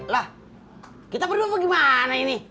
lah kita berdua pergi mana ini